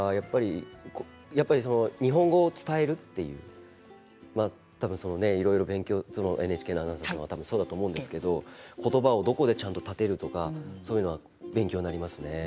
やっぱり日本語を伝えるといういろいろ勉強ＮＨＫのアナウンサーなのでそうだと思うんですけれど言葉を、どこで立てるとかそういうの、勉強になりますね。